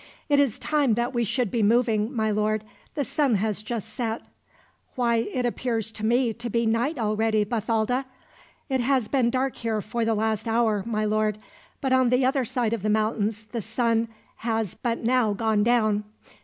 "It is time that we should be moving, my lord. The sun has just set." "Why, it appears to me to be night already, Bathalda." "It has been dark here for the last hour, my lord; but on the other side of the mountains the sun has but now gone down.